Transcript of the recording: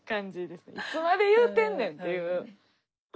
いつまで言うてんねんっていう。